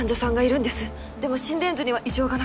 でも心電図には異常がなくて。